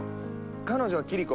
彼女はキリコ。